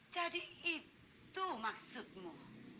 jadi itu maksudmu